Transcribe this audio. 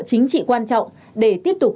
chính trị quan trọng để tiếp tục